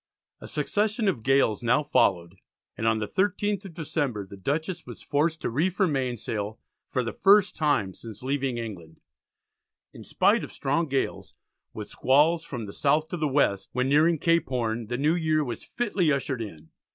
A succession of gales now followed and on the 13th of December the Dutchess was forced to reef her mainsail for the first time since leaving England. In spite of "strong gales, with squalls from the south to the west," when nearing Cape Horn, the new year was fitly ushered in.